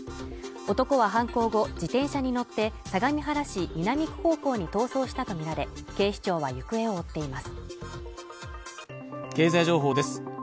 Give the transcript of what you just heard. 男は犯行後自転車に乗って相模原市南区方向に逃走したと見られ警視庁は行方を追っています